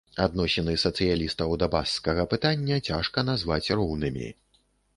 Адносіны сацыялістаў да баскскага пытання цяжка назваць роўнымі.